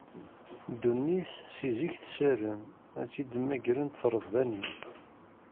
Ddunit, seg zik tessaram, ad tt-id-mmagrent treḍbanin.